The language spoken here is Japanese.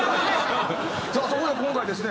さあそこで今回ですね